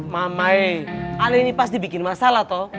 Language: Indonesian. mamai ali ini pasti bikin masalah toh